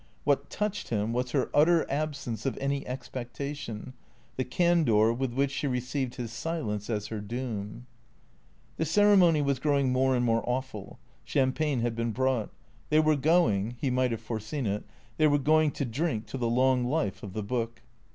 What touched him was her utter ab sence of any expectation, the candour with which she received his silence as her doom. The ceremony was growing more and more awful. Cham pagne had been brought. They were going — he might have foreseen it — they were going to drink to the long life of the Book.